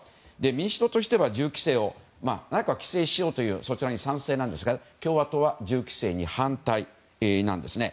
民主党としては銃規制を何とか規制しようという賛成なんですが、共和党は銃規制に反対なんですね。